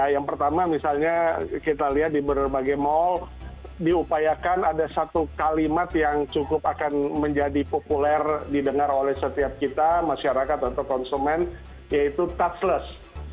yang pertama misalnya kita lihat di berbagai mall diupayakan ada satu kalimat yang cukup akan menjadi populer didengar oleh setiap kita masyarakat atau konsumen yaitu touchless